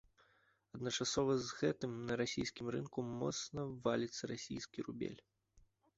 Адначасова з гэтым на расійскім рынку моцна валіцца расійскі рубель.